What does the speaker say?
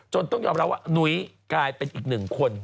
ต้องยอมรับว่านุ้ยกลายเป็นอีกหนึ่งคน